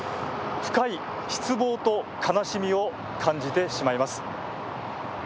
深い失望と悲しみを感じてしまいます。